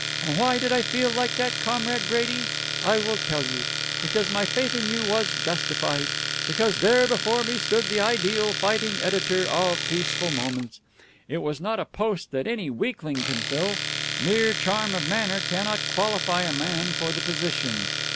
"And why did I feel like that, Comrade Brady? I will tell you. Because my faith in you was justified. Because there before me stood the ideal fighting editor of Peaceful Moments. It is not a post that any weakling can fill. Mere charm of manner cannot qualify a man for the position.